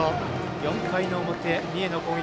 ４回の表、三重の攻撃。